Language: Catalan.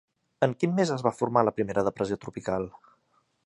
En quin mes es va formar la primera depressió tropical?